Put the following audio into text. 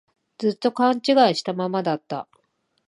ずっと勘違いしたままだった